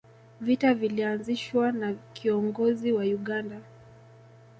vita vilianzishwa na kiongozin wa uganda